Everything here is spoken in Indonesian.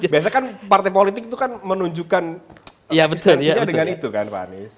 biasanya kan partai politik itu kan menunjukkan eksistensinya dengan itu kan pak anies